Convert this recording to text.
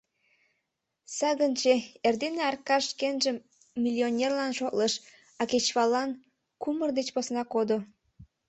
Сагынче: эрдене Аркаш шкенжым миллионерлан шотлыш, а кечываллан кумыр деч посна кодо.